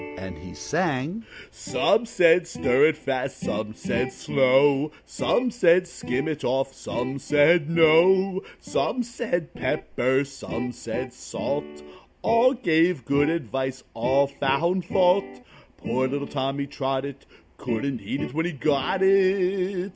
And he sang: "Some said, 'Stir it fast,' Some said, 'Slow'; Some said, 'Skim it off,' Some said, 'No'; Some said, 'Pepper,' Some said, 'Salt'; All gave good advice, All found fault. Poor little Tommy Trottett! Couldn't eat it when he got it."